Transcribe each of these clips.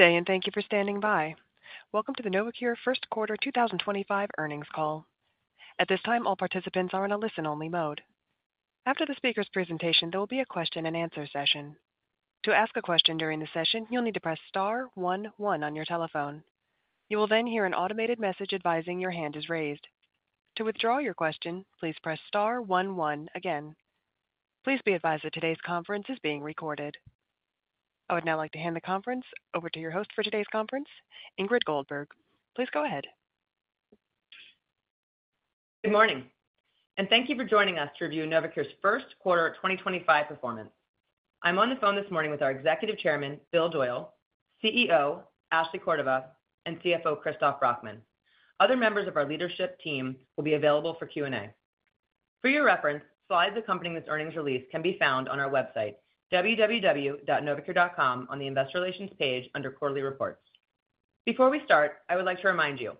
Good day, and thank you for standing by. Welcome to the Novocure Q1 2025 earnings call. At this time, all participants are in a listen-only mode. After the speaker's presentation, there will be a question-and-answer session. To ask a question during the session, you'll need to press star one one on your telephone. You will then hear an automated message advising your hand is raised. To withdraw your question, please press star one one again. Please be advised that today's conference is being recorded. I would now like to hand the conference over to your host for today's conference, Ingrid Goldberg. Please go ahead. Good morning, and thank you for joining us to review Novocure's Q1 2025 performance. I'm on the phone this morning with our Executive Chairman, Bill Doyle, CEO, Ashley Cordova, and CFO, Christoph Brackmann. Other members of our leadership team will be available for Q&A. For your reference, slides accompanying this earnings release can be found on our website, www.novocure.com, on the Investor Relations page under quarterly reports. Before we start, I would like to remind you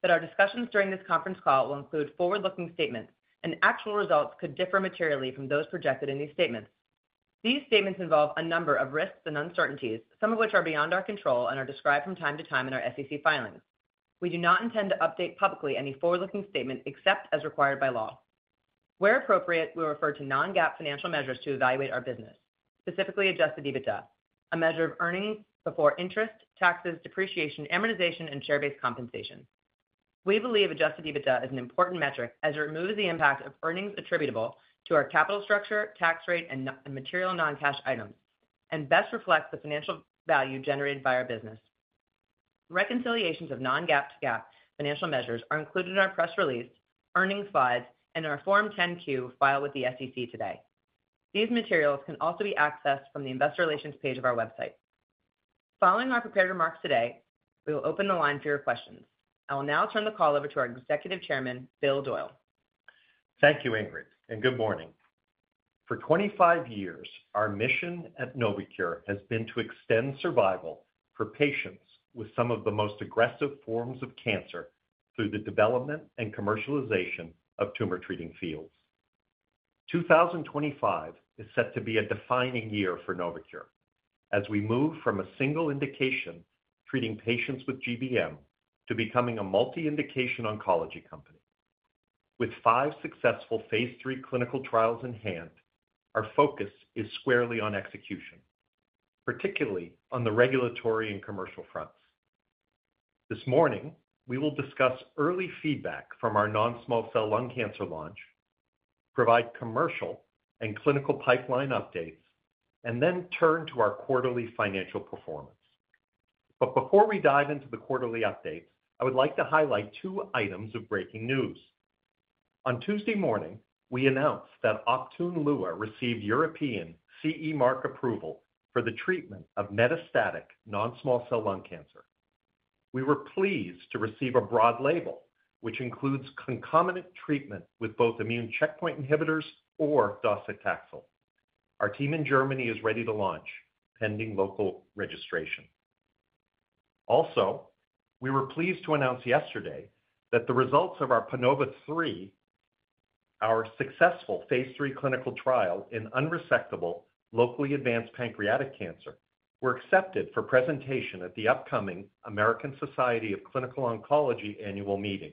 that our discussions during this conference call will include forward-looking statements, and actual results could differ materially from those projected in these statements. These statements involve a number of risks and uncertainties, some of which are beyond our control and are described from time to time in our SEC filings. We do not intend to update publicly any forward-looking statement except as required by law. Where appropriate, we'll refer to non-GAAP financial measures to evaluate our business, specifically adjusted EBITDA, a measure of earnings before interest, taxes, depreciation, amortization, and share-based compensation. We believe adjusted EBITDA is an important metric as it removes the impact of earnings attributable to our capital structure, tax rate, and material non-cash items, and best reflects the financial value generated by our business. Reconciliations of non-GAAP to GAAP financial measures are included in our press release, earnings slides, and in our Form 10Q filed with the SEC today. These materials can also be accessed from the Investor Relations page of our website. Following our prepared remarks today, we will open the line for your questions. I will now turn the call over to our Executive Chairman, Bill Doyle. Thank you, Ingrid, and good morning. For 25 years, our mission at Novocure has been to extend survival for patients with some of the most aggressive forms of cancer through the development and commercialization of Tumor Treating Fields. 2025 is set to be a defining year for Novocure as we move from a single indication treating patients with GBM to becoming a multi-indication oncology company. With five successful phase 3 clinical trials in hand, our focus is squarely on execution, particularly on the regulatory and commercial fronts. This morning, we will discuss early feedback from our non-small cell lung cancer launch, provide commercial and clinical pipeline updates, and then turn to our quarterly financial performance. Before we dive into the quarterly updates, I would like to highlight two items of breaking news. On Tuesday morning, we announced that Optune Lua received European CE mark approval for the treatment of metastatic non-small cell lung cancer. We were pleased to receive a broad label, which includes concomitant treatment with both immune checkpoint inhibitors or docetaxel. Our team in Germany is ready to launch pending local registration. Also, we were pleased to announce yesterday that the results of our Panova III, our successful Phase III clinical trial in unresectable locally advanced pancreatic cancer, were accepted for presentation at the upcoming American Society of Clinical Oncology annual meeting.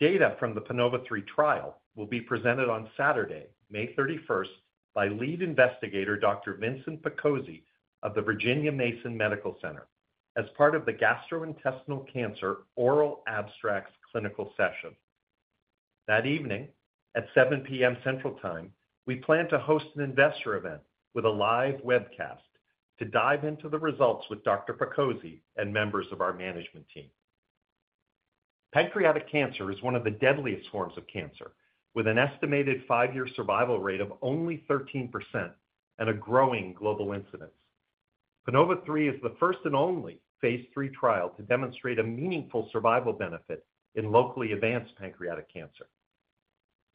Data from the Panova III trial will be presented on Saturday, May 31st, by lead investigator Dr. Vincent Picozzi of the Virginia Mason Medical Center as part of the gastrointestinal cancer oral abstracts clinical session. That evening at 7:00 P.M. Central Time, we plan to host an investor event with a live webcast to dive into the results with Dr. Picozzi and members of our management team. Pancreatic cancer is one of the deadliest forms of cancer, with an estimated five-year survival rate of only 13% and a growing global incidence. Panova III is the first and only Phase III trial to demonstrate a meaningful survival benefit in locally advanced pancreatic cancer.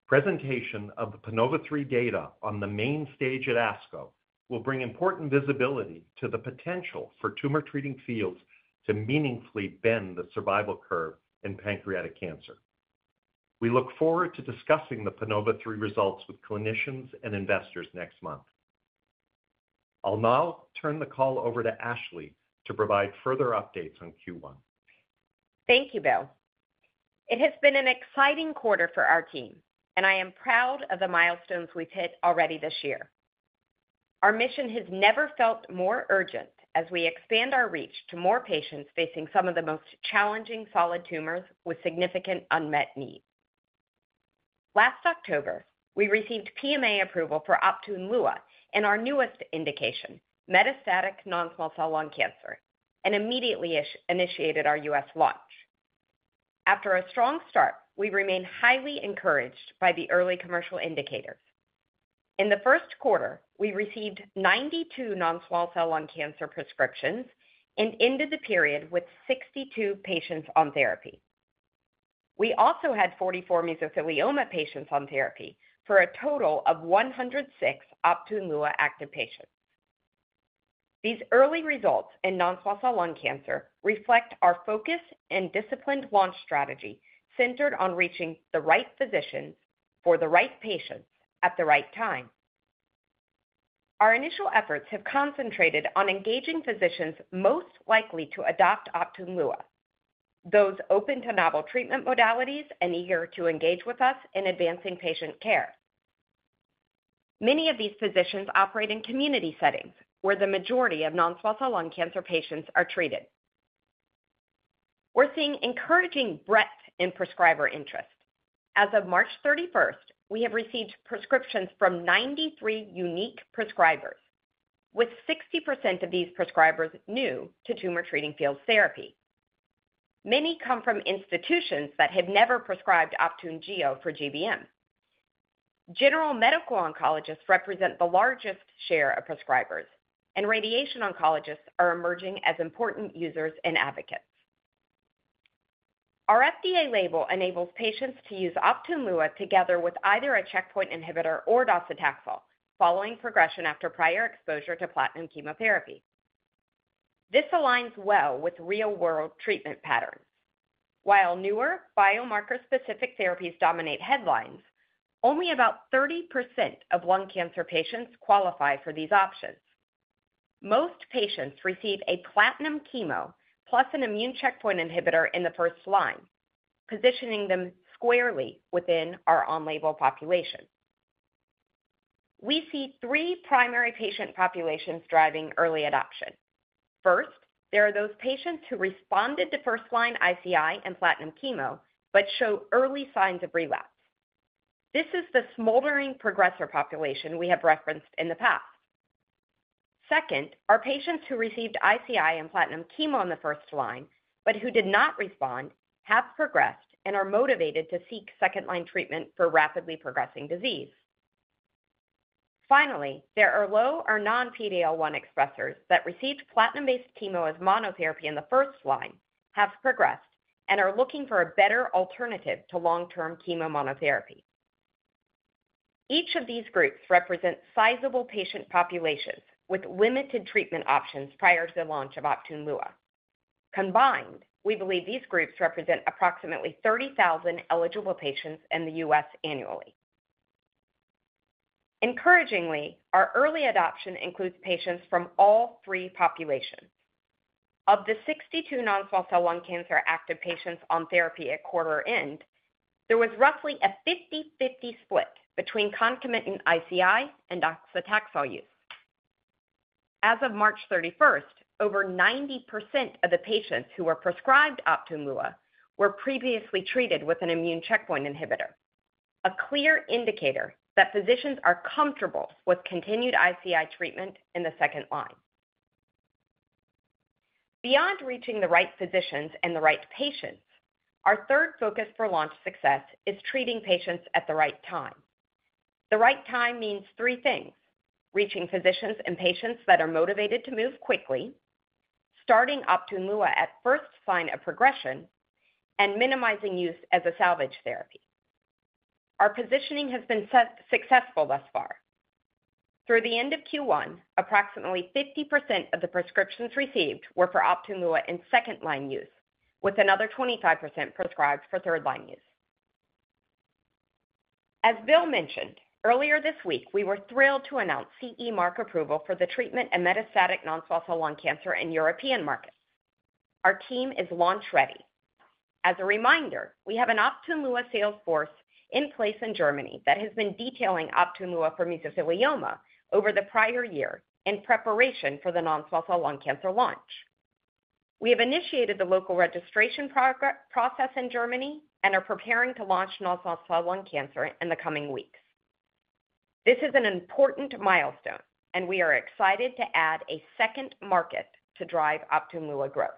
Presentation of the Panova III data on the main stage at ASCO will bring important visibility to the potential for Tumor Treating Fields to meaningfully bend the survival curve in pancreatic cancer. We look forward to discussing the Panova III results with clinicians and investors next month. I'll now turn the call over to Ashley to provide further updates on Q1. Thank you, Bill. It has been an exciting quarter for our team, and I am proud of the milestones we've hit already this year. Our mission has never felt more urgent as we expand our reach to more patients facing some of the most challenging solid tumors with significant unmet needs. Last October, we received PMA approval for Optune Lua and our newest indication, metastatic non-small cell lung cancer, and immediately initiated our U.S. launch. After a strong start, we remain highly encouraged by the early commercial indicators. In the Q1, we received 92 non-small cell lung cancer prescriptions and ended the period with 62 patients on therapy. We also had 44 mesothelioma patients on therapy for a total of 106 Optune Lua active patients. These early results in non-small cell lung cancer reflect our focused and disciplined launch strategy centered on reaching the right physicians for the right patients at the right time. Our initial efforts have concentrated on engaging physicians most likely to adopt Optune Lua, those open to novel treatment modalities and eager to engage with us in advancing patient care. Many of these physicians operate in community settings where the majority of non-small cell lung cancer patients are treated. We're seeing encouraging breadth in prescriber interest. As of March 31, we have received prescriptions from 93 unique prescribers, with 60% of these prescribers new to Tumor Treating Fields therapy. Many come from institutions that have never prescribed Optune Gio for GBM. General medical oncologists represent the largest share of prescribers, and radiation oncologists are emerging as important users and advocates. Our FDA label enables patients to use Optune Lua together with either a checkpoint inhibitor or docetaxel following progression after prior exposure to platinum chemotherapy. This aligns well with real-world treatment patterns. While newer biomarker-specific therapies dominate headlines, only about 30% of lung cancer patients qualify for these options. Most patients receive a platinum chemo plus an immune checkpoint inhibitor in the first line, positioning them squarely within our on-label population. We see three primary patient populations driving early adoption. First, there are those patients who responded to first-line ICI and platinum chemo but show early signs of relapse. This is the smoldering progressor population we have referenced in the past. Second, our patients who received ICI and platinum chemo in the first line but who did not respond have progressed and are motivated to seek second-line treatment for rapidly progressing disease. Finally, there are low or non-PD-L1 expressors that received platinum-based chemo as monotherapy in the first line, have progressed, and are looking for a better alternative to long-term chemo monotherapy. Each of these groups represents sizable patient populations with limited treatment options prior to the launch of Optune Lua. Combined, we believe these groups represent approximately 30,000 eligible patients in the U.S. annually. Encouragingly, our early adoption includes patients from all three populations. Of the 62 non-small cell lung cancer active patients on therapy at quarter end, there was roughly a 50/50 split between concomitant ICI and docetaxel use. As of March 31, over 90% of the patients who were prescribed Optune Lua were previously treated with an immune checkpoint inhibitor, a clear indicator that physicians are comfortable with continued ICI treatment in the second line. Beyond reaching the right physicians and the right patients, our third focus for launch success is treating patients at the right time. The right time means three things: reaching physicians and patients that are motivated to move quickly, starting Optune Lua at first sign of progression, and minimizing use as a salvage therapy. Our positioning has been successful thus far. Through the end of Q1, approximately 50% of the prescriptions received were for Optune Lua in second-line use, with another 25% prescribed for third-line use. As Bill mentioned, earlier this week, we were thrilled to announce CE mark approval for the treatment of metastatic non-small cell lung cancer in European markets. Our team is launch ready. As a reminder, we have an Optune Lua sales force in place in Germany that has been detailing Optune Lua for mesothelioma over the prior year in preparation for the non-small cell lung cancer launch. We have initiated the local registration process in Germany and are preparing to launch non-small cell lung cancer in the coming weeks. This is an important milestone, and we are excited to add a second market to drive Optune Lua growth.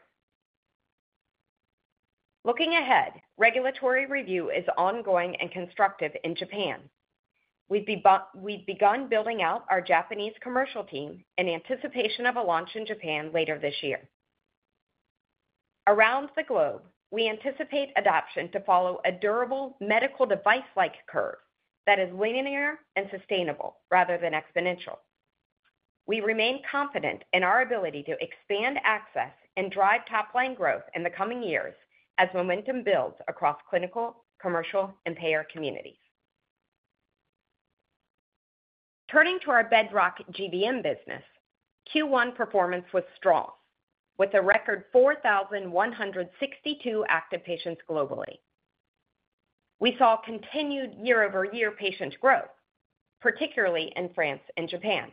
Looking ahead, regulatory review is ongoing and constructive in Japan. We've begun building out our Japanese commercial team in anticipation of a launch in Japan later this year. Around the globe, we anticipate adoption to follow a durable medical device-like curve that is linear and sustainable rather than exponential. We remain confident in our ability to expand access and drive top-line growth in the coming years as momentum builds across clinical, commercial, and payer communities. Turning to our bedrock GBM business, Q1 performance was strong with a record 4,162 active patients globally. We saw continued year-over-year patient growth, particularly in France and Japan.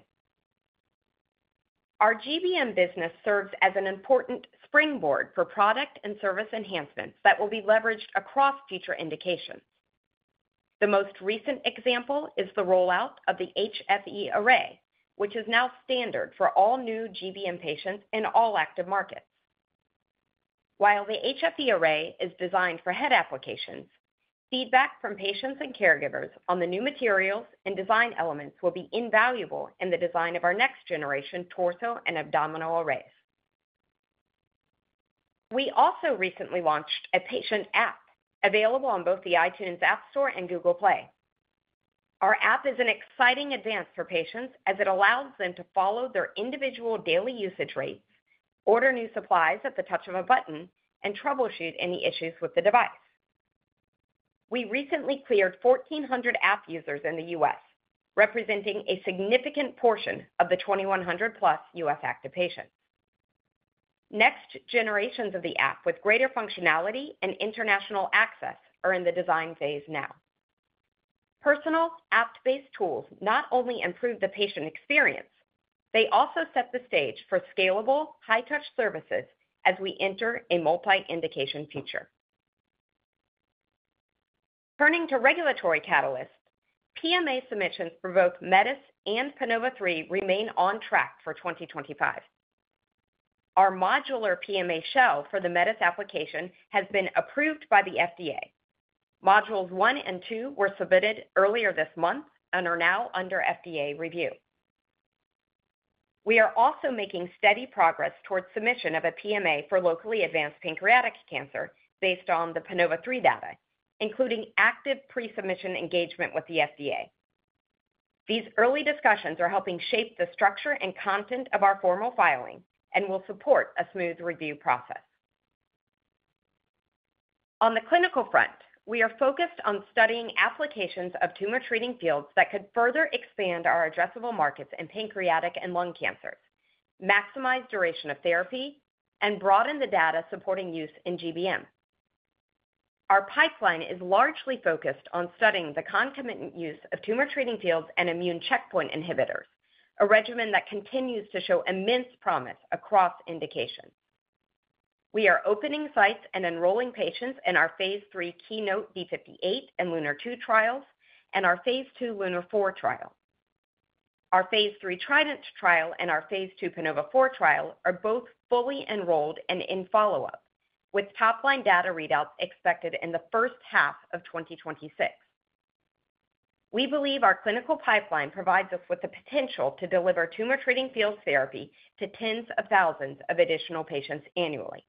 Our GBM business serves as an important springboard for product and service enhancements that will be leveraged across future indications. The most recent example is the rollout of the HFE array, which is now standard for all new GBM patients in all active markets. While the HFE array is designed for head applications, feedback from patients and caregivers on the new materials and design elements will be invaluable in the design of our next generation torso and abdominal arrays. We also recently launched a patient app available on both the iTunes App Store and Google Play. Our app is an exciting advance for patients as it allows them to follow their individual daily usage rates, order new supplies at the touch of a button, and troubleshoot any issues with the device. We recently cleared 1,400 app users in the U.S., representing a significant portion of the 2,100-plus U.S. active patients. Next generations of the app with greater functionality and international access are in the design phase now. Personal app-based tools not only improve the patient experience, they also set the stage for scalable high-touch services as we enter a multi-indication future. Turning to regulatory catalysts, PMA submissions for both Metis and Panova III remain on track for 2025. Our modular PMA shell for the Metis application has been approved by the FDA. Modules one and two were submitted earlier this month and are now under FDA review. We are also making steady progress towards submission of a PMA for locally advanced pancreatic cancer based on the Panova III data, including active pre-submission engagement with the FDA. These early discussions are helping shape the structure and content of our formal filing and will support a smooth review process. On the clinical front, we are focused on studying applications of Tumor Treating Fields that could further expand our addressable markets in pancreatic and lung cancers, maximize duration of therapy, and broaden the data supporting use in GBM. Our pipeline is largely focused on studying the concomitant use of Tumor Treating Fields and immune checkpoint inhibitors, a regimen that continues to show immense promise across indications. We are opening sites and enrolling patients in our Phase III Keynote D58 and Lunar II trials and our Phase II Lunar IV trial. Our Phase III Trident trial and our Phase II Panova IV trial are both fully enrolled and in follow-up, with top-line data readouts expected in the first half of 2026. We believe our clinical pipeline provides us with the potential to deliver Tumor Treating Fields therapy to tens of thousands of additional patients annually.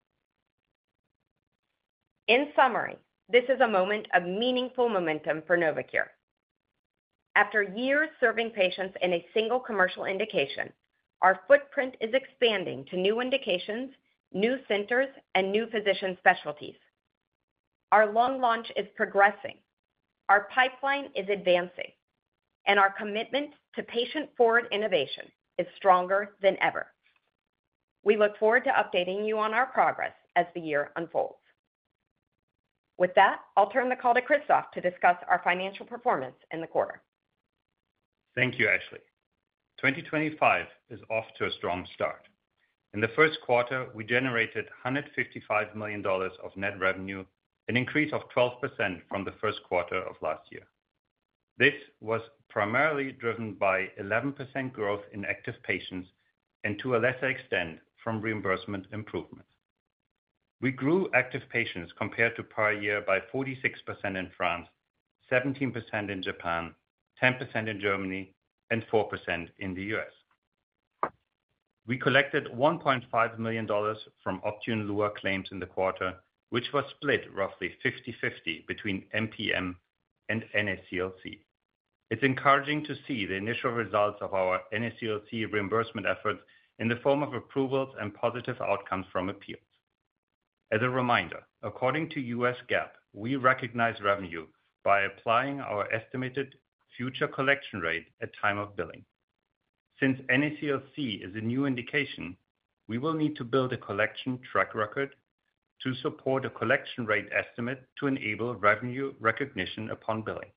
In summary, this is a moment of meaningful momentum for Novocure. After years serving patients in a single commercial indication, our footprint is expanding to new indications, new centers, and new physician specialties. Our lung launch is progressing, our pipeline is advancing, and our commitment to patient-forward innovation is stronger than ever. We look forward to updating you on our progress as the year unfolds. With that, I'll turn the call to Christoph to discuss our financial performance in the quarter. Thank you, Ashley. 2025 is off to a strong start. In the Q1, we generated $155 million of net revenue, an increase of 12% from the Q1 of last year. This was primarily driven by 11% growth in active patients and, to a lesser extent, from reimbursement improvement. We grew active patients compared to prior year by 46% in France, 17% in Japan, 10% in Germany, and 4% in the U.S. We collected $1.5 million from Optune Lua claims in the quarter, which was split roughly 50/50 between MPM and NSCLC. It's encouraging to see the initial results of our NSCLC reimbursement efforts in the form of approvals and positive outcomes from appeals. As a reminder, according to U.S. GAAP, we recognize revenue by applying our estimated future collection rate at time of billing. Since NSCLC is a new indication, we will need to build a collection track record to support a collection rate estimate to enable revenue recognition upon billing.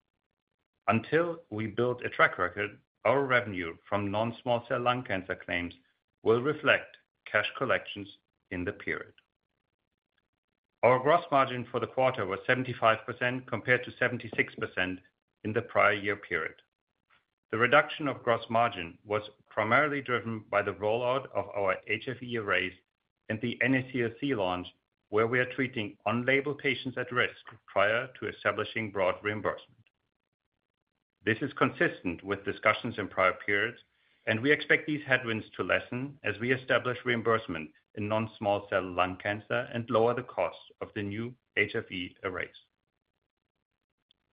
Until we build a track record, our revenue from non-small cell lung cancer claims will reflect cash collections in the period. Our gross margin for the quarter was 75% compared to 76% in the prior year period. The reduction of gross margin was primarily driven by the rollout of our HFE arrays and the NSCLC launch, where we are treating on-label patients at risk prior to establishing broad reimbursement. This is consistent with discussions in prior periods, and we expect these headwinds to lessen as we establish reimbursement in non-small cell lung cancer and lower the cost of the new HFE arrays.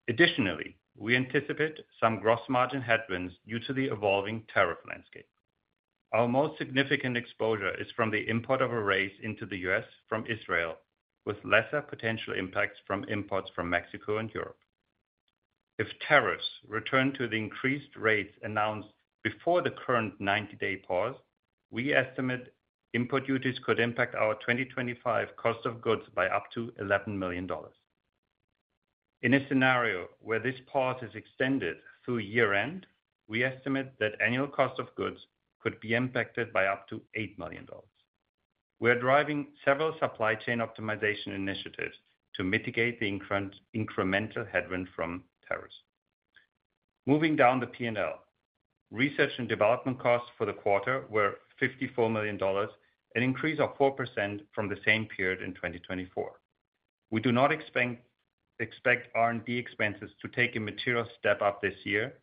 Additionally, we anticipate some gross margin headwinds due to the evolving tariff landscape. Our most significant exposure is from the import of arrays into the U.S. from Israel, with lesser potential impacts from imports from Mexico and Europe. If tariffs return to the increased rates announced before the current 90-day pause, we estimate import duties could impact our 2025 cost of goods by up to $11 million. In a scenario where this pause is extended through year-end, we estimate that annual cost of goods could be impacted by up to $8 million. We are driving several supply chain optimization initiatives to mitigate the incremental headwind from tariffs. Moving down the P&L, research and development costs for the quarter were $54 million, an increase of 4% from the same period in 2024. We do not expect R&D expenses to take a material step up this year,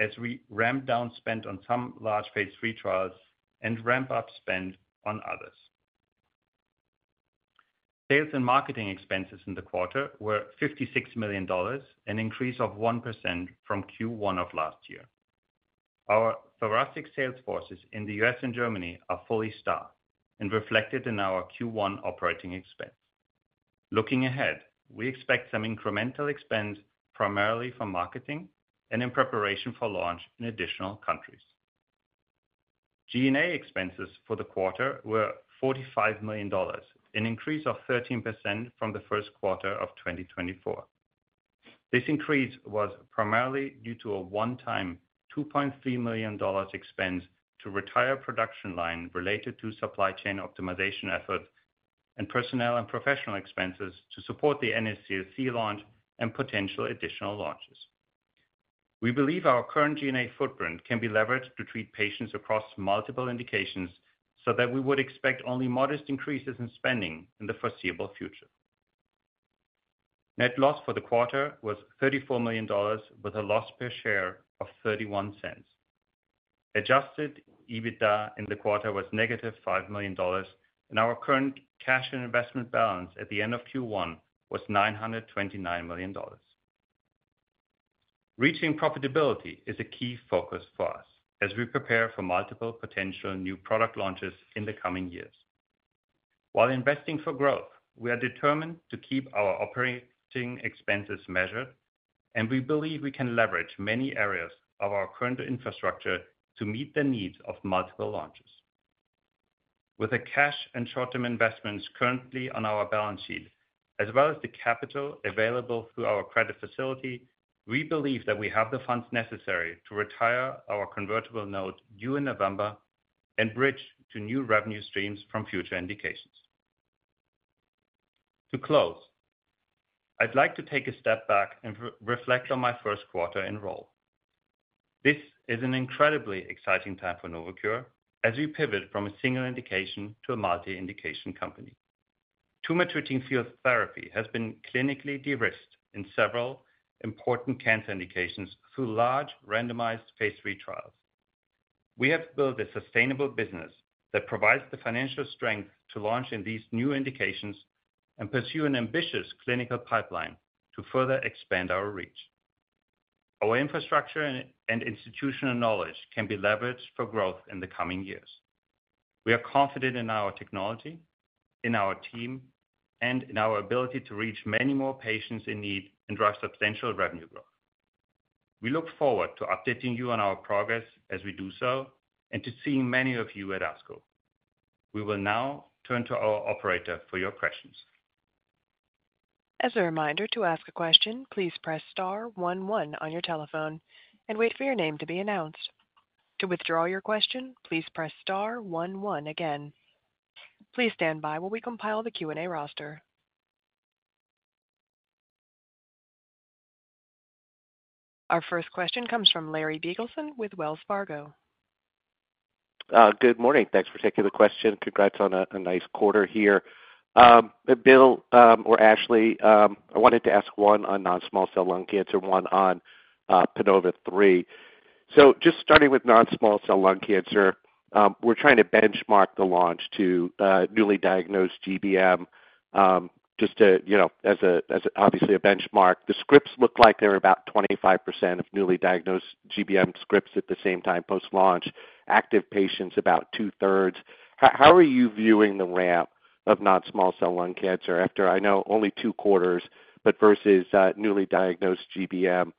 as we ramped down spend on some large Phase III trials and ramped up spend on others. Sales and marketing expenses in the quarter were $56 million, an increase of 1% from Q1 of last year. Our thoracic sales forces in the U.S. and Germany are fully staffed and reflected in our Q1 operating expense. Looking ahead, we expect some incremental expense, primarily from marketing and in preparation for launch in additional countries. G&A expenses for the quarter were $45 million, an increase of 13% from the Q1 of 2024. This increase was primarily due to a one-time $2.3 million expense to retired production line related to supply chain optimization efforts and personnel and professional expenses to support the NSCLC launch and potential additional launches. We believe our current G&A footprint can be leveraged to treat patients across multiple indications so that we would expect only modest increases in spending in the foreseeable future. Net loss for the quarter was $34 million, with a loss per share of $0.31. Adjusted EBITDA in the quarter was negative $5 million, and our current cash and investment balance at the end of Q1 was $929 million. Reaching profitability is a key focus for us as we prepare for multiple potential new product launches in the coming years. While investing for growth, we are determined to keep our operating expenses measured, and we believe we can leverage many areas of our current infrastructure to meet the needs of multiple launches. With the cash and short-term investments currently on our balance sheet, as well as the capital available through our credit facility, we believe that we have the funds necessary to retire our convertible note due in November and bridge to new revenue streams from future indications. To close, I'd like to take a step back and reflect on my Q1 in role. This is an incredibly exciting time for Novocure as we pivot from a single indication to a multi-indication company. Tumor Treating Fields therapy has been clinically de-risked in several important cancer indications through large randomized phase 3 trials. We have built a sustainable business that provides the financial strength to launch in these new indications and pursue an ambitious clinical pipeline to further expand our reach. Our infrastructure and institutional knowledge can be leveraged for growth in the coming years. We are confident in our technology, in our team, and in our ability to reach many more patients in need and drive substantial revenue growth. We look forward to updating you on our progress as we do so and to seeing many of you at ASCO. We will now turn to our operator for your questions. As a reminder to ask a question, please press star 11 on your telephone and wait for your name to be announced. To withdraw your question, please press star 11 again. Please stand by while we compile the Q&A roster. Our first question comes from Larry Biegelsen with Wells Fargo. Good morning. Thanks for taking the question. Congrats on a nice quarter here. Bill or Ashley, I wanted to ask one on non-small cell lung cancer, one on Panova III. Just starting with non-small cell lung cancer, we're trying to benchmark the launch to newly diagnosed GBM just as obviously a benchmark. The scripts look like they're about 25% of newly diagnosed GBM scripts at the same time post-launch. Active patients, about two-thirds. How are you viewing the ramp of non-small cell lung cancer after I know only two quarters, but versus newly diagnosed GBM?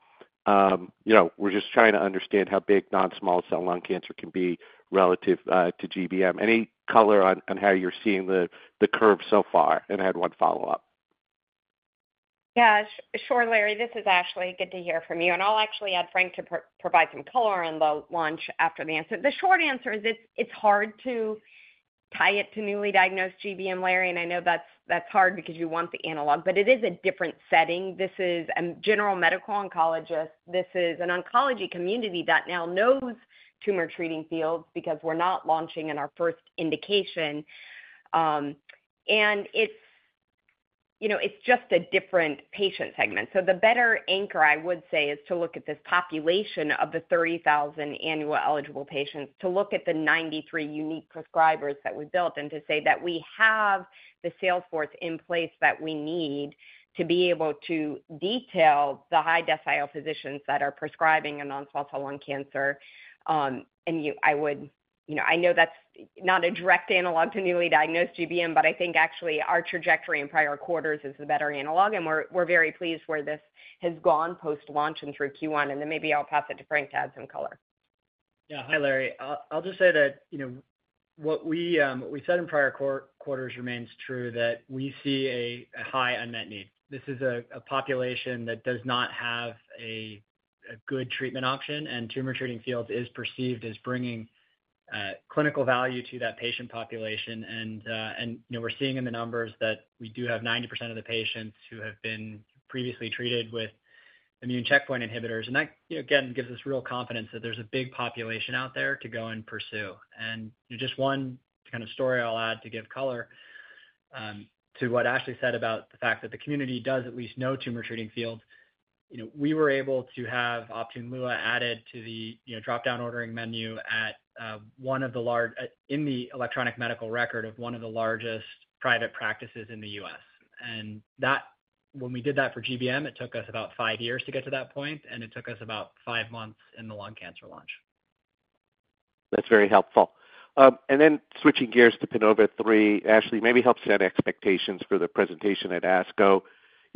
We're just trying to understand how big non-small cell lung cancer can be relative to GBM. Any color on how you're seeing the curve so far? I had one follow-up. Yeah. Sure, Larry, this is Ashley. Good to hear from you. I'll actually add Frank to provide some color on the launch after the answer. The short answer is it's hard to tie it to newly diagnosed GBM, Larry, and I know that's hard because you want the analog, but it is a different setting. This is a general medical oncologist. This is an oncology community that now knows Tumor Treating Fields because we're not launching in our first indication. It's just a different patient segment. The better anchor, I would say, is to look at this population of the 30,000 annual eligible patients, to look at the 93 unique prescribers that we built, and to say that we have the sales force in place that we need to be able to detail the high decile physicians that are prescribing a non-small cell lung cancer. I know that's not a direct analog to newly diagnosed GBM, but I think actually our trajectory in prior quarters is the better analog, and we're very pleased where this has gone post-launch and through Q1. Maybe I'll pass it to Frank to add some color. Yeah. Hi, Larry. I'll just say that what we said in prior quarters remains true, that we see a high unmet need. This is a population that does not have a good treatment option, and Tumor Treating Fields is perceived as bringing clinical value to that patient population. We're seeing in the numbers that we do have 90% of the patients who have been previously treated with immune checkpoint inhibitors. That, again, gives us real confidence that there's a big population out there to go and pursue. Just one kind of story I'll add to give color to what Ashley said about the fact that the community does at least know Tumor Treating Fields. We were able to have Optune Lua added to the drop-down ordering menu in the electronic medical record of one of the largest private practices in the U.S. When we did that for GBM, it took us about five years to get to that point, and it took us about five months in the lung cancer launch. That's very helpful. Switching gears to Panova III, Ashley, maybe help set expectations for the presentation at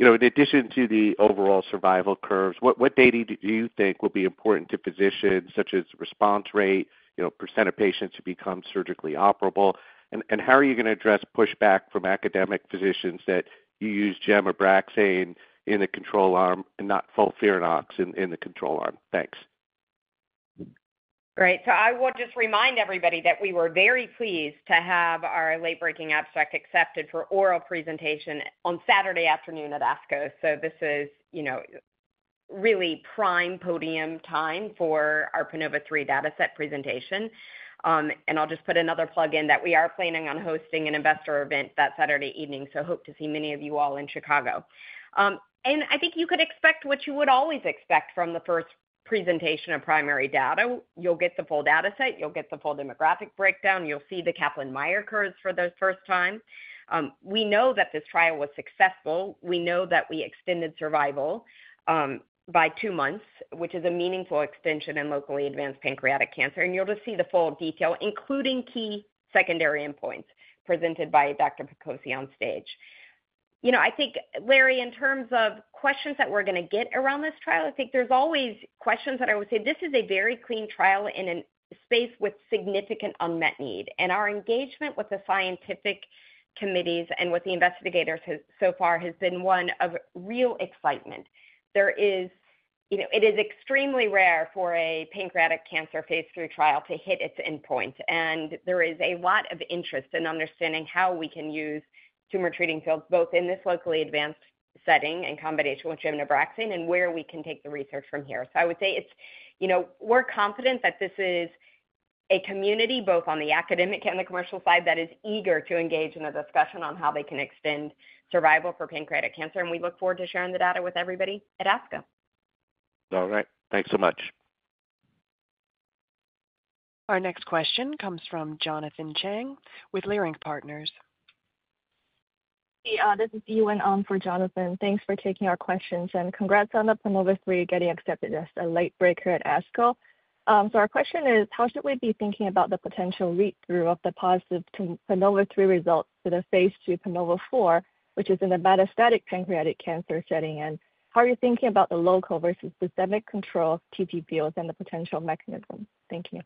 ASCO. In addition to the overall survival curves, what data do you think will be important to physicians, such as response rate, % of patients who become surgically operable? How are you going to address pushback from academic physicians that you used gemcitabine in the control arm and not FOLFIRINOX in the control arm? Thanks. Great. I will just remind everybody that we were very pleased to have our late-breaking abstract accepted for oral presentation on Saturday afternoon at ASCO. This is really prime podium time for our Panova III dataset presentation. I'll just put another plug in that we are planning on hosting an investor event that Saturday evening, so hope to see many of you all in Chicago. I think you could expect what you would always expect from the first presentation of primary data. You'll get the full dataset. You'll get the full demographic breakdown. You'll see the Kaplan-Meier curves for the first time. We know that this trial was successful. We know that we extended survival by two months, which is a meaningful extension in locally advanced pancreatic cancer. You'll just see the full detail, including key secondary endpoints presented by Dr. Picozzi on stage. I think, Larry, in terms of questions that we're going to get around this trial, I think there's always questions that I would say this is a very clean trial in a space with significant unmet need. Our engagement with the scientific committees and with the investigators so far has been one of real excitement. It is extremely rare for a pancreatic cancer Phase III trial to hit its endpoint. There is a lot of interest in understanding how we can use Tumor Treating Fields both in this locally advanced setting in combination with gemabraxine and where we can take the research from here. I would say we're confident that this is a community both on the academic and the commercial side that is eager to engage in a discussion on how they can extend survival for pancreatic cancer. We look forward to sharing the data with everybody at ASCO. All right. Thanks so much. Our next question comes from Jonathan Chang with Leerink Partners. This is Ewen Ong for Jonathan. Thanks for taking our questions. Congrats on the Panova III getting accepted as a late-breaker at ASCO. Our question is, how should we be thinking about the potential read-through of the positive Panova III results for the Phase II Panova IV, which is in the metastatic pancreatic cancer setting? How are you thinking about the local versus systemic control of TTFields and the potential mechanism? Thank you.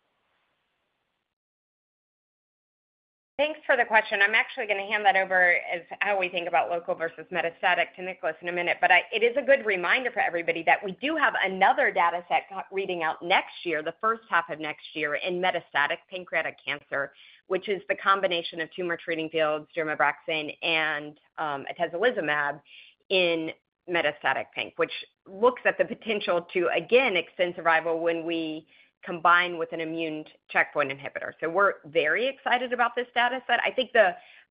Thanks for the question. I'm actually going to hand that over as how we think about local versus metastatic to Nicolas in a minute. It is a good reminder for everybody that we do have another dataset reading out next year, the first half of next year in metastatic pancreatic cancer, which is the combination of Tumor Treating Fields, gemcitabine, and atezolizumab in metastatic pancreatic, which looks at the potential to, again, extend survival when we combine with an immune checkpoint inhibitor. We are very excited about this dataset. I think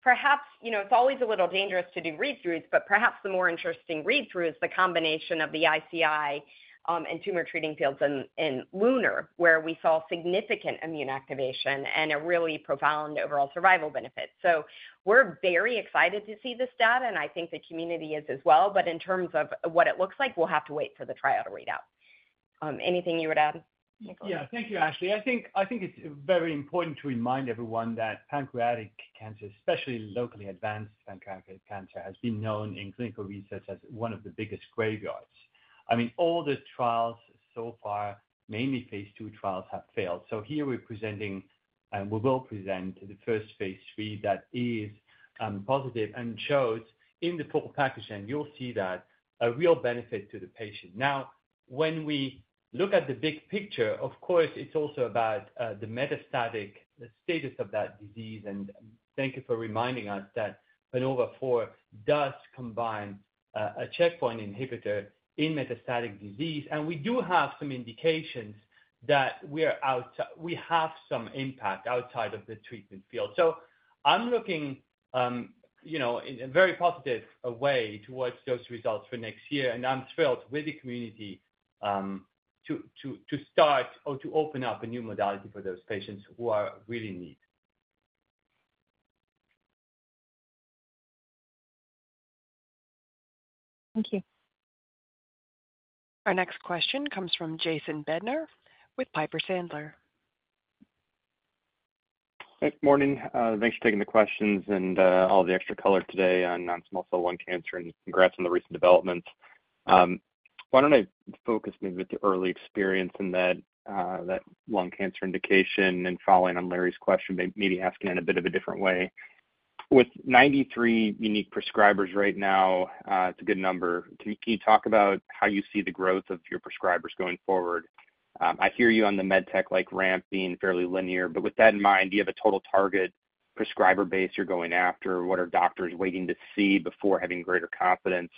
perhaps it's always a little dangerous to do read-throughs, but perhaps the more interesting read-through is the combination of the ICI and Tumor Treating Fields in Lunar, where we saw significant immune activation and a really profound overall survival benefit. We are very excited to see this data, and I think the community is as well. In terms of what it looks like, we'll have to wait for the trial to read out. Anything you would add? Yeah. Thank you, Ashley. I think it's very important to remind everyone that pancreatic cancer, especially locally advanced pancreatic cancer, has been known in clinical research as one of the biggest graveyards. I mean, all the trials so far, mainly Phase II trials, have failed. Here we're presenting, and we will present the first Phase III that is positive and shows in the full packaging, you'll see that a real benefit to the patient. Now, when we look at the big picture, of course, it's also about the metastatic status of that disease. Thank you for reminding us that Panova IV does combine a checkpoint inhibitor in metastatic disease. We do have some indications that we have some impact outside of the treatment field. I'm looking in a very positive way towards those results for next year. I'm thrilled with the community to start or to open up a new modality for those patients who are really in need. Thank you. Our next question comes from Jason Bednar with Piper Sandler. Good morning. Thanks for taking the questions and all the extra color today on non-small cell lung cancer. Congrats on the recent developments. Why don't I focus maybe with the early experience in that lung cancer indication and following on Larry's question, maybe asking it in a bit of a different way. With 93 unique prescribers right now, it's a good number. Can you talk about how you see the growth of your prescribers going forward? I hear you on the med tech like ramp being fairly linear. With that in mind, do you have a total target prescriber base you're going after? What are doctors waiting to see before having greater confidence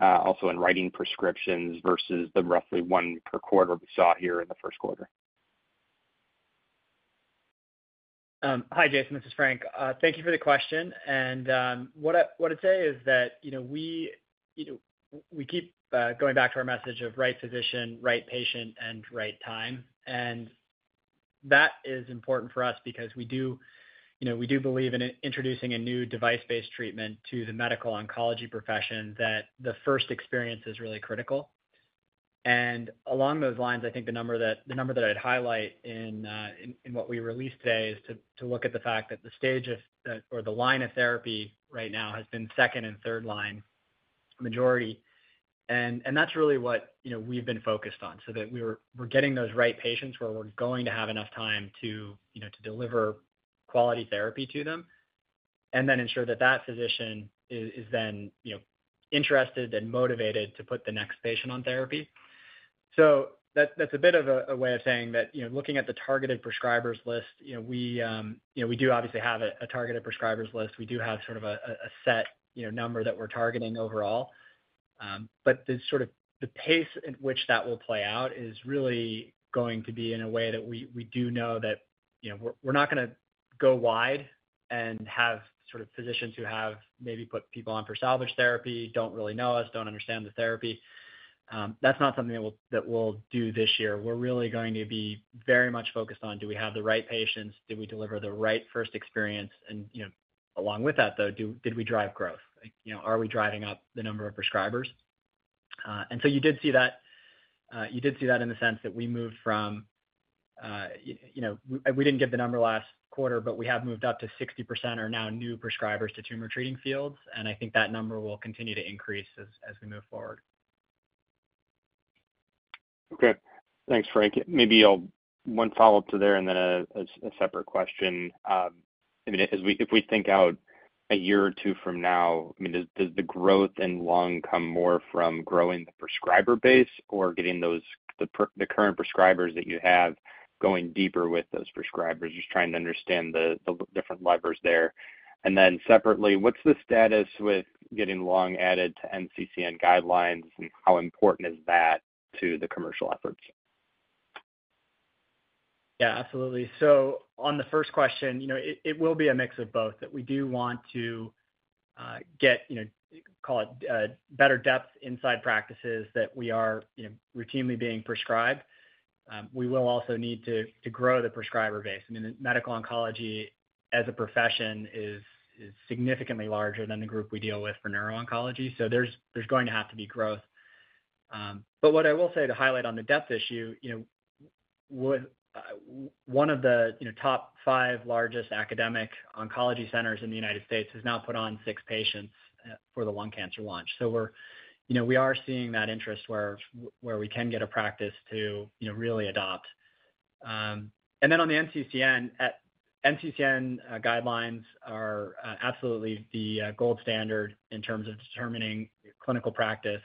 also in writing prescriptions versus the roughly one per quarter we saw here in the Q1? Hi, Jason. This is Frank. Thank you for the question. What I'd say is that we keep going back to our message of right physician, right patient, and right time. That is important for us because we do believe in introducing a new device-based treatment to the medical oncology profession that the first experience is really critical. Along those lines, I think the number that I'd highlight in what we released today is to look at the fact that the stage or the line of therapy right now has been second and third line majority. That's really what we've been focused on so that we're getting those right patients where we're going to have enough time to deliver quality therapy to them and then ensure that that physician is then interested and motivated to put the next patient on therapy. That's a bit of a way of saying that looking at the targeted prescribers list, we do obviously have a targeted prescribers list. We do have sort of a set number that we're targeting overall. The pace at which that will play out is really going to be in a way that we do know that we're not going to go wide and have sort of physicians who have maybe put people on for salvage therapy, don't really know us, don't understand the therapy. That's not something that we'll do this year. We're really going to be very much focused on, do we have the right patients? Did we deliver the right first experience? Along with that, though, did we drive growth? Are we driving up the number of prescribers? You did see that. You did see that in the sense that we moved from we didn't give the number last quarter, but we have moved up to 60% are now new prescribers to Tumor Treating Fields. I think that number will continue to increase as we move forward. Okay. Thanks, Frank. Maybe one follow-up to there and then a separate question. I mean, if we think out a year or two from now, I mean, does the growth in lung come more from growing the prescriber base or getting the current prescribers that you have going deeper with those prescribers, just trying to understand the different levers there? Then separately, what's the status with getting lung added to NCCN guidelines and how important is that to the commercial efforts? Yeah, absolutely. On the first question, it will be a mix of both that we do want to get, call it better depth inside practices that we are routinely being prescribed. We will also need to grow the prescriber base. I mean, medical oncology as a profession is significantly larger than the group we deal with for neurooncology. There is going to have to be growth. What I will say to highlight on the depth issue, one of the top five largest academic oncology centers in the United States has now put on six patients for the lung cancer launch. We are seeing that interest where we can get a practice to really adopt. On the NCCN, NCCN guidelines are absolutely the gold standard in terms of determining clinical practice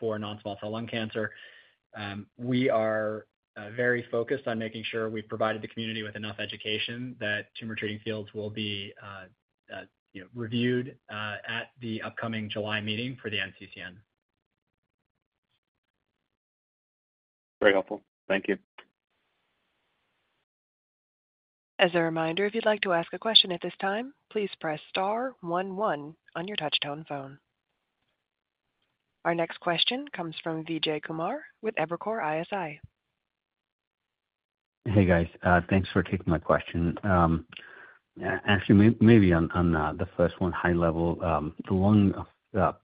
for non-small cell lung cancer. We are very focused on making sure we've provided the community with enough education that Tumor Treating Fields will be reviewed at the upcoming July meeting for the NCCN. Very helpful. Thank you. As a reminder, if you'd like to ask a question at this time, please press star 11 on your touch-tone phone. Our next question comes from Vijay Kumar with Evercore ISI. Hey, guys. Thanks for taking my question. Actually, maybe on the first one, high level, the lung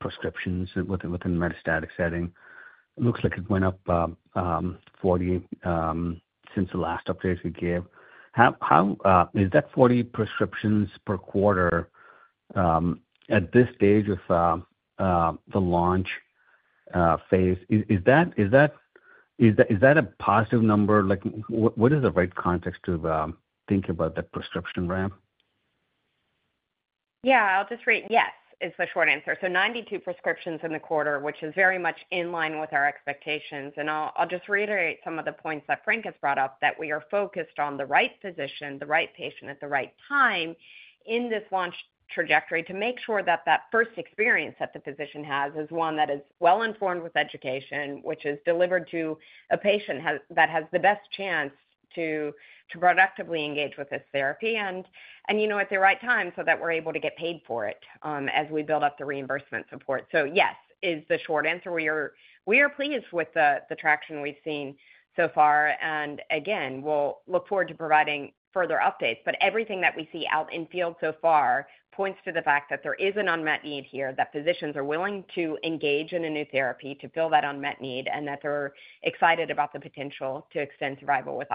prescriptions within the metastatic setting. It looks like it went up 40 since the last update we gave. Is that 40 prescriptions per quarter at this stage of the launch phase? Is that a positive number? What is the right context to think about that prescription ramp? Yeah. I'll just read. Yes is the short answer. Ninety-two prescriptions in the quarter, which is very much in line with our expectations. I'll just reiterate some of the points that Frank has brought up that we are focused on the right physician, the right patient at the right time in this launch trajectory to make sure that that first experience that the physician has is one that is well-informed with education, which is delivered to a patient that has the best chance to productively engage with this therapy and at the right time so that we're able to get paid for it as we build up the reimbursement support. Yes is the short answer. We are pleased with the traction we've seen so far. Again, we'll look forward to providing further updates. Everything that we see out in field so far points to the fact that there is an unmet need here, that physicians are willing to engage in a new therapy to fill that unmet need and that they're excited about the potential to extend survival with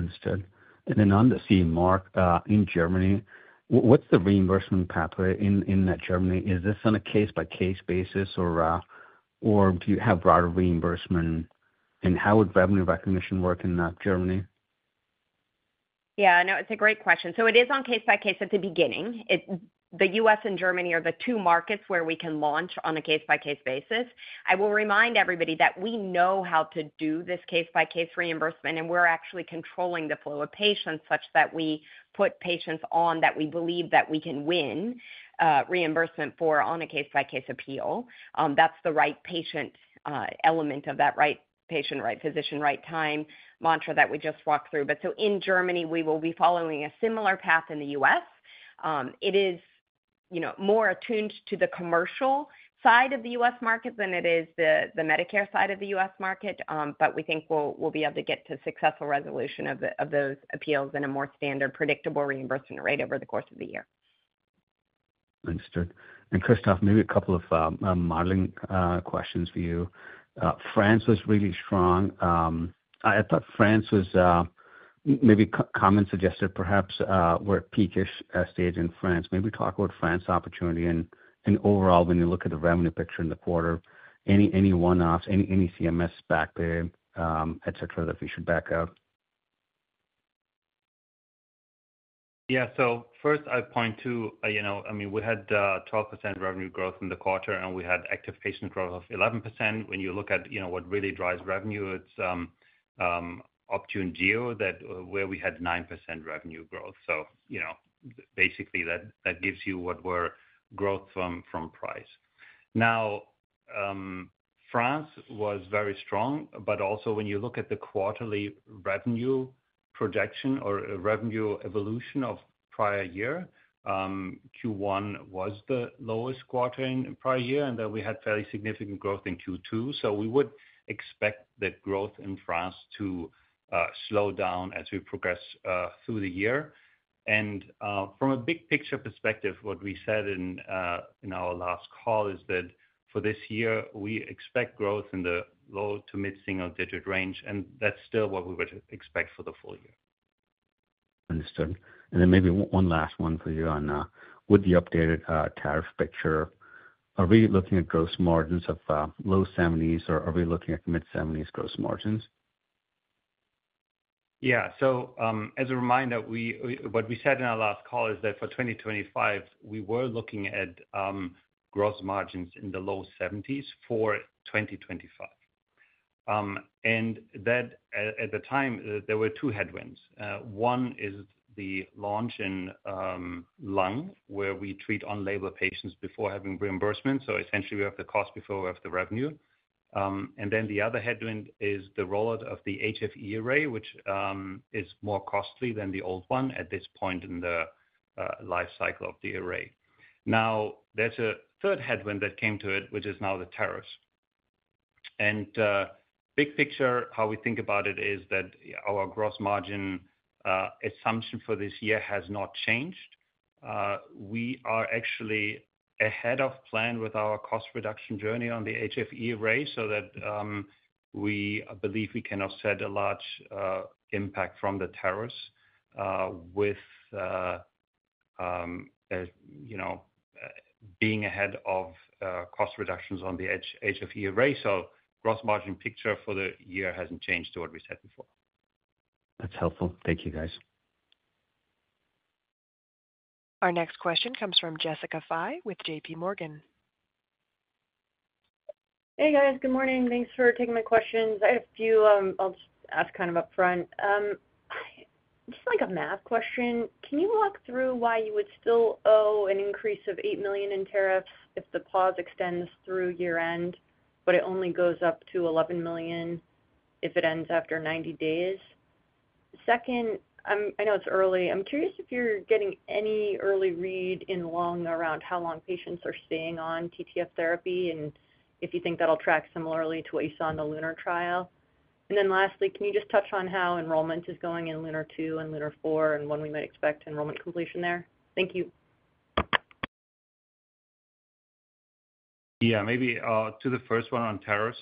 optimal life. Understood. On the CE mark in Germany, what's the reimbursement pathway in Germany? Is this on a case-by-case basis or do you have broader reimbursement? How would revenue recognition work in Germany? Yeah. No, it's a great question. It is on a case-by-case at the beginning. The U.S. and Germany are the two markets where we can launch on a case-by-case basis. I will remind everybody that we know how to do this case-by-case reimbursement, and we're actually controlling the flow of patients such that we put patients on that we believe that we can win reimbursement for on a case-by-case appeal. That's the right patient element of that right patient, right physician, right time mantra that we just walked through. In Germany, we will be following a similar path. In the U.S., it is more attuned to the commercial side of the U.S. market than it is the Medicare side of the U.S. market. We think we'll be able to get to successful resolution of those appeals in a more standard, predictable reimbursement rate over the course of the year. Understood. Christoph, maybe a couple of modeling questions for you. France was really strong. I thought France was maybe, common suggested, perhaps we're at peakish stage in France. Maybe talk about France opportunity and overall when you look at the revenue picture in the quarter, any one-offs, any CMS back paying, etc., that we should back out? Yeah. First, I'd point to, I mean, we had 12% revenue growth in the quarter, and we had active patient growth of 11%. When you look at what really drives revenue, it's Optune Gio where we had 9% revenue growth. Basically, that gives you what we're growth from price. Now, France was very strong. Also, when you look at the quarterly revenue projection or revenue evolution of prior year, Q1 was the lowest quarter in prior year. We had fairly significant growth in Q2. We would expect the growth in France to slow down as we progress through the year. From a big picture perspective, what we said in our last call is that for this year, we expect growth in the low to mid single-digit range. That's still what we would expect for the full year. Understood. Maybe one last one for you, with the updated tariff picture. Are we looking at gross margins of low 70s or are we looking at mid 70s gross margins? Yeah. As a reminder, what we said in our last call is that for 2025, we were looking at gross margins in the low 70% for 2025. At the time, there were two headwinds. One is the launch in lung where we treat unlabeled patients before having reimbursement. Essentially, we have the cost before we have the revenue. The other headwind is the rollout of the HFE array, which is more costly than the old one at this point in the life cycle of the array. Now, there is a third headwind that came to it, which is now the tariffs. Big picture, how we think about it is that our gross margin assumption for this year has not changed. We are actually ahead of plan with our cost reduction journey on the HFE array so that we believe we can offset a large impact from the tariffs with being ahead of cost reductions on the HFE array. The gross margin picture for the year has not changed to what we said before. That's helpful. Thank you, guys. Our next question comes from Jessica Fye with J.P. Morgan. Hey, guys. Good morning. Thanks for taking my questions. I have a few I'll just ask kind of upfront. Just like a math question, can you walk through why you would still owe an increase of $8 million in tariffs if the pause extends through year-end, but it only goes up to $11 million if it ends after 90 days? Second, I know it's early. I'm curious if you're getting any early read in lung around how long patients are staying on TTF therapy and if you think that'll track similarly to what you saw in the Lunar trial. And then lastly, can you just touch on how enrollment is going in Lunar II and Lunar IV and when we might expect enrollment completion there? Thank you. Yeah. Maybe to the first one on tariffs.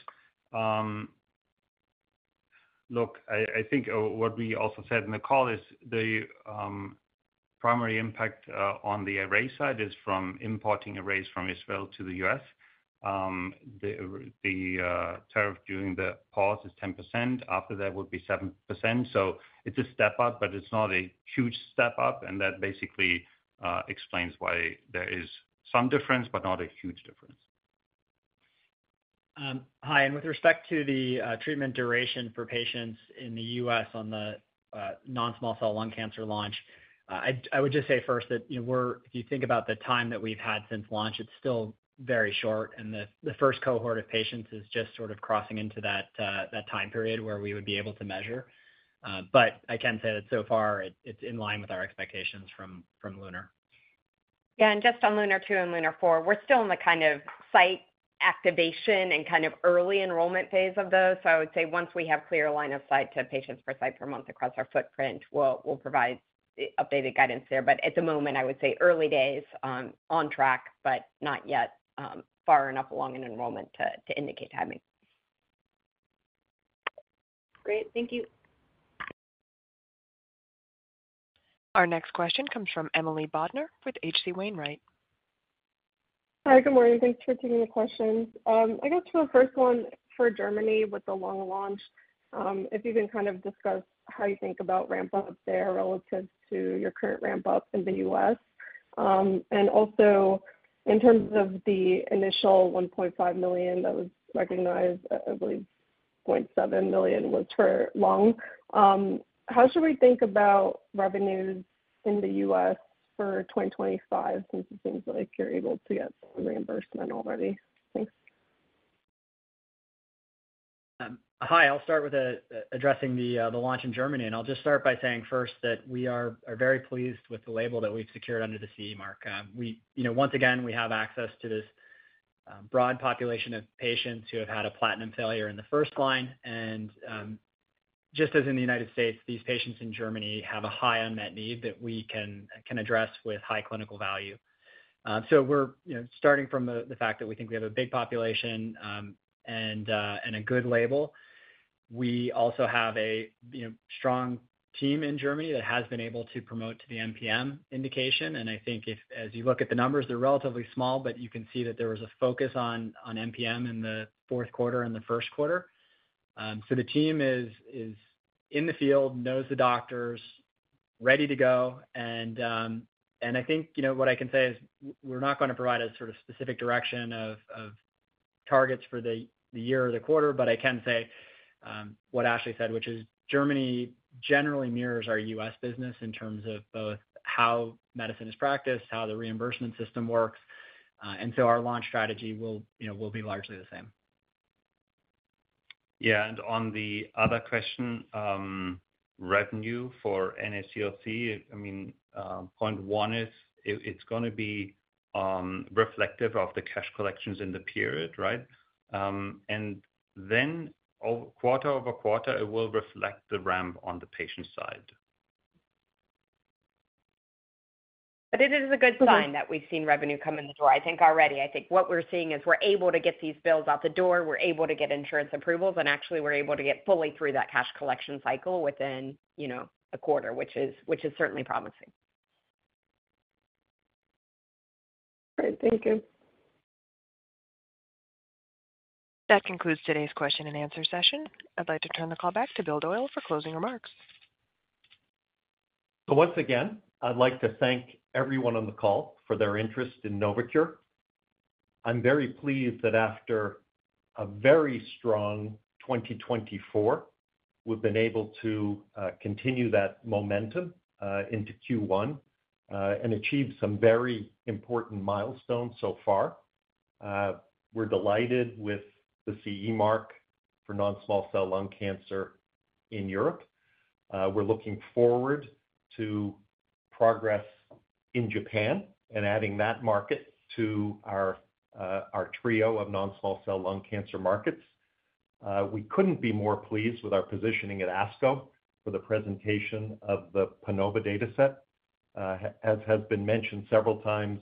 Look, I think what we also said in the call is the primary impact on the array side is from importing arrays from Israel to the U.S. The tariff during the pause is 10%. After that, it would be 7%. It is a step up, but it is not a huge step up. That basically explains why there is some difference, but not a huge difference. Hi. With respect to the treatment duration for patients in the U.S. on the non-small cell lung cancer launch, I would just say first that if you think about the time that we've had since launch, it's still very short. The first cohort of patients is just sort of crossing into that time period where we would be able to measure. I can say that so far, it's in line with our expectations from Lunar. Yeah. Just on Lunar II and Lunar IV, we're still in the kind of site activation and kind of early enrollment phase of those. I would say once we have clear line of sight to patients per site per month across our footprint, we'll provide updated guidance there. At the moment, I would say early days, on track, but not yet far enough along in enrollment to indicate timing. Great. Thank you. Our next question comes from Emily Bodnar with HC Wainwright. Hi. Good morning. Thanks for taking the questions. I guess for the first one, for Germany with the lung launch, if you can kind of discuss how you think about ramp-up there relative to your current ramp-up in the U.S. Also, in terms of the initial $1.5 million that was recognized, I believe $0.7 million was for lung. How should we think about revenues in the U.S. for 2025 since it seems like you're able to get some reimbursement already? Thanks. Hi. I'll start with addressing the launch in Germany. I'll just start by saying first that we are very pleased with the label that we've secured under the CE mark. Once again, we have access to this broad population of patients who have had a platinum failure in the first line. Just as in the United States, these patients in Germany have a high unmet need that we can address with high clinical value. Starting from the fact that we think we have a big population and a good label, we also have a strong team in Germany that has been able to promote to the MPM indication. I think as you look at the numbers, they're relatively small, but you can see that there was a focus on MPM in the Q4 and the Q1. The team is in the field, knows the doctors, ready to go. I think what I can say is we're not going to provide a sort of specific direction of targets for the year or the quarter, but I can say what Ashley said, which is Germany generally mirrors our US business in terms of both how medicine is practiced, how the reimbursement system works. Our launch strategy will be largely the same. Yeah. On the other question, revenue for NSCLC, I mean, point one is it's going to be reflective of the cash collections in the period, right? Quarter over quarter, it will reflect the ramp on the patient side. It is a good sign that we've seen revenue come in the door, I think, already. I think what we're seeing is we're able to get these bills out the door. We're able to get insurance approvals. Actually, we're able to get fully through that cash collection cycle within a quarter, which is certainly promising. Great. Thank you. That concludes today's question and answer session. I'd like to turn the call back to Bill Doyle for closing remarks. Once again, I'd like to thank everyone on the call for their interest in Novocure. I'm very pleased that after a very strong 2024, we've been able to continue that momentum into Q1 and achieve some very important milestones so far. We're delighted with the CE mark for non-small cell lung cancer in Europe. We're looking forward to progress in Japan and adding that market to our trio of non-small cell lung cancer markets. We couldn't be more pleased with our positioning at ASCO for the presentation of the PANOVA dataset. As has been mentioned several times,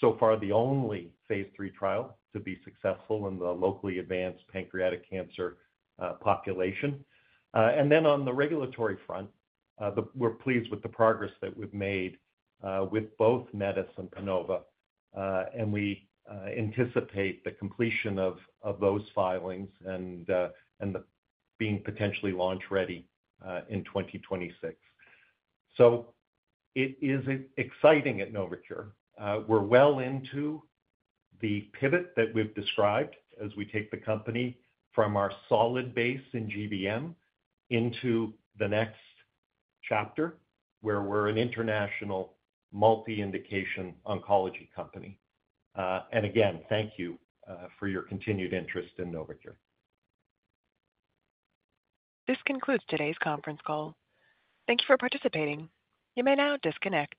so far the only phase 3 trial to be successful in the locally advanced pancreatic cancer population. On the regulatory front, we're pleased with the progress that we've made with both METIS and PANOVA. We anticipate the completion of those filings and being potentially launch ready in 2026. It is exciting at Novocure. We're well into the pivot that we've described as we take the company from our solid base in GBM into the next chapter where we're an international multi-indication oncology company. Again, thank you for your continued interest in Novocure. This concludes today's conference call. Thank you for participating. You may now disconnect.